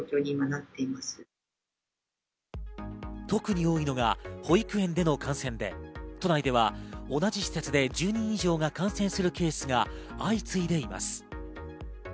特に多いのが保育園での感染で、都内では同じ施設で１０人以上が感染するケースが相次いでいます。